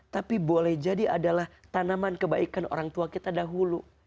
tapi boleh jadi adalah tanaman kebaikan orang tua kita dahulu